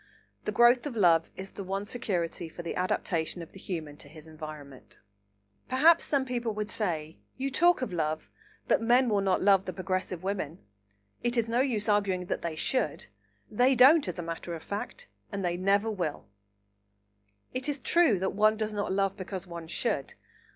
The growth of love is the one security for the adaptation of the Human to his environment. Perhaps some people would say, "You talk of love, but men will not love the progressive women. It is no use arguing that they should; they don't, as a matter of fact, and they never will." It is true that one does not love because one should.